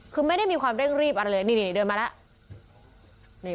คือที่มีความเร่งรีบเดินมาแล้ว